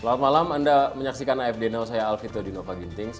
selamat malam anda menyaksikan afd now saya alvito di nova ginting